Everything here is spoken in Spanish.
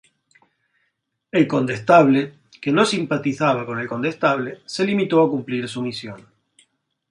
El Condestable, que no simpatizaba con el Condestable, se limitó a cumplir su misión.